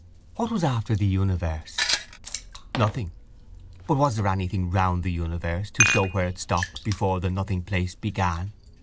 What was after the universe? Nothing. But was there anything round the universe to show where it stopped before the nothing place began?